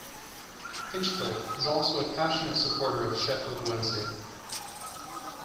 Hinchcliffe is also a passionate supporter of Sheffield Wednesday.